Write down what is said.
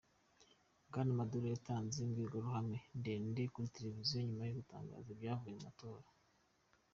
Bwana Maduro yatanze imbwirwaruhame ndende kuri televiziyo nyuma yo gutangaza ibyavuze mu matora.